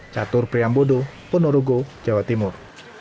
catur priambodo ponorogo jawa timur